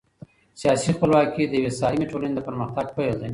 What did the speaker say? سياسي خپلواکي د يوې سالمي ټولني د پرمختګ پيل دی.